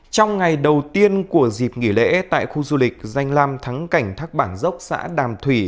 trong ngày đầu tiên của dịp nghỉ lễ tại khu du lịch danh lam thắng cảnh thác bản dốc xã đàm thủy